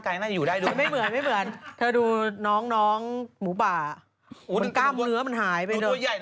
ตัวยังลอนไม่มีทางหลงแรงจีมันยังไม่ถึงที่ตาย